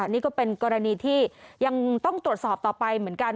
นี่ก็เป็นกรณีที่ยังต้องตรวจสอบต่อไปเหมือนกัน